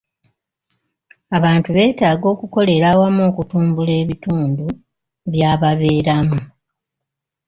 Abantu beetaaga okukolera awamu okutumbula ebitundu bya babeeramu.